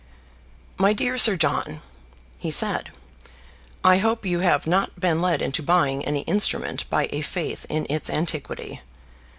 "My dear Sir John," he said, "I hope you have not been led into buying any instrument by a faith in its antiquity.